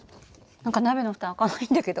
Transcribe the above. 何か鍋のふた開かないんだけど。